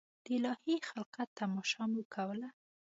د الهي خلقت تماشه مو کوله.